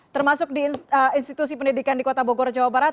termasuk di institusi pendidikan di kota bogor jawa barat